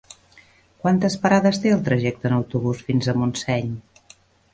Quantes parades té el trajecte en autobús fins a Montseny?